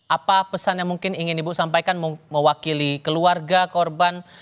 apa pesan yang mungkin ingin ibu sampaikan mewakili keluarga korban